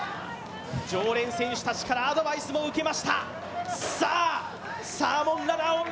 常連選手たちからアドバイスも受けました。